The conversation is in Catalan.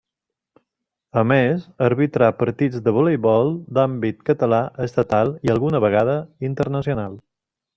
A més, arbitrà partits de voleibol d’àmbit català, estatal i alguna vegada internacional.